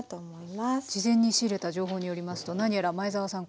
事前に仕入れた情報によりますと何やら前沢さん